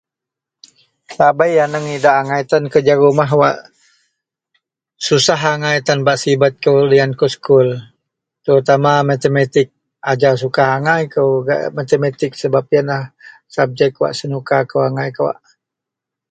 Sabei idak angai tan kerja rumah wak susah angai tan bak sibet kou liyan kou sekul terutama matematik. Ajau suka angai kou gak matematik sebap yenlah sabjek wak senukakou angai kawak